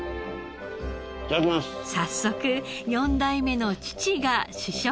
早速４代目の父が試食。